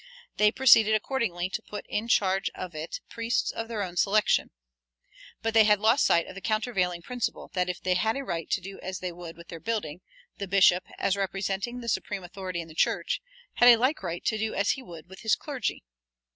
They proceeded accordingly to put in charge of it priests of their own selection. But they had lost sight of the countervailing principle that if they had a right to do as they would with their building, the bishop, as representing the supreme authority in the church, had a like right to do as he would with his clergy.